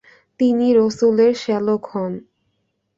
তিনি রসুলের শ্যালক হন।